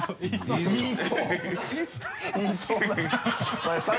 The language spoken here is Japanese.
言いそうな